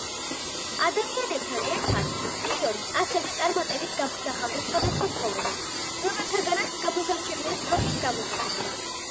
ადამიანებთან ერთად, მირონი, ასევე წარმატებით გამოსახავდა სხვადასხვა ცხოველებს, რომელთაგანაც გამოსარჩევია „ძროხის“ გამოსახულება.